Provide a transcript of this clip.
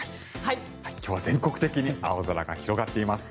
今日は全国的に青空が広がっています。